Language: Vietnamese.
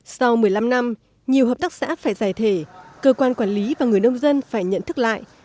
sau một mươi năm năm nhiều hợp tác xã phải giải thể cơ quan quản lý và người nông dân phải nhận thức lại